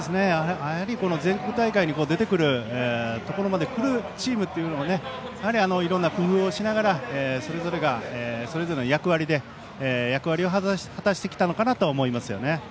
やはり全国大会に出てくるところまで来るチームというのはやはり、いろんな工夫をしてそれぞれがそれぞれの役割を果たしてきたのかなと思います。